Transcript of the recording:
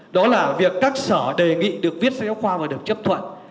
đó là việc các sở đề nghị được viết sách giáo khoa và được chấp thuận